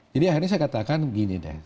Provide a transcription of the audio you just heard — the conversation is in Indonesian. jadi akhirnya saya katakan begini deh